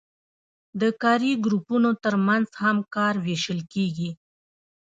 د کاري ګروپونو ترمنځ هم کار ویشل کیږي.